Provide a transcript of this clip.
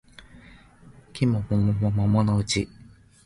季も桃も桃のうち